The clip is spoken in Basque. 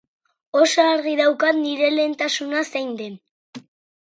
Oso argi daukat nire lehentasuna zein den.